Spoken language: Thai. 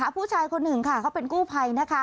ผู้ชายคนหนึ่งเขาเป็นกู้ภัย